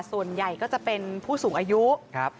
ส่วนใหญ่ก็จะเป็นผู้สูงอายุ